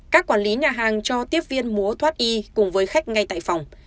các quản lý nhà hàng cho tiếp viên múa thoát y cùng với khách ngay tại phòng